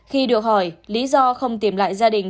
khi được hỏi lý do không tìm lại gia đình